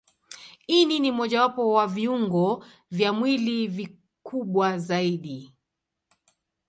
Ini ni mojawapo wa viungo vya mwili vikubwa zaidi.